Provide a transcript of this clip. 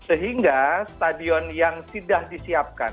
sehingga stadion yang sudah disiapkan